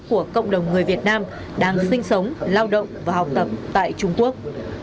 của cộng đồng người việt nam đang sinh sống lao động và học tập tại trung quốc